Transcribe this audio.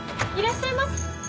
いらっしゃいませ。